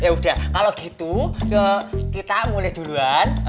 ya udah kalau gitu kita mulai duluan